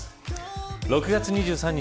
６月２３日